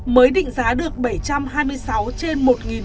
mới định giá được bảy trăm hai mươi sáu trên